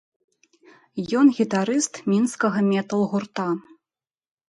Ён гітарыст мінскага метал-гурта.